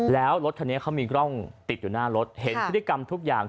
แล้วรถคันนี้เขามีกล้องติดอยู่หน้ารถเห็นพฤติกรรมทุกอย่าง